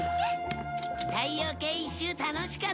太陽系一周楽しかったよ。